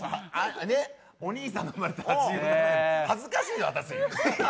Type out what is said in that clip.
ね、お兄さんの生まれた８７年、恥ずかしいよ、私。